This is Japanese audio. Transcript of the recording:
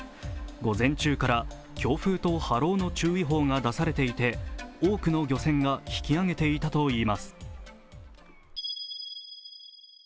午前中から強風と波浪の注意報が出されていて多くの漁船が引き上げていたといいます。